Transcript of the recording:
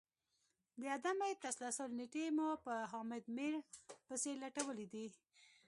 د عدم تسلسل نیټې مو په حامد میر پسي لټولې دي